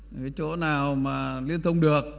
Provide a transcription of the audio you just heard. cái chỗ nào mà liên thông được